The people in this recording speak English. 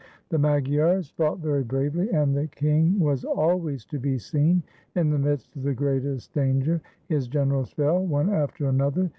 The Magyars fought very bravely, and the king was always to be seen in the midst of the greatest danger. His generals fell one after another.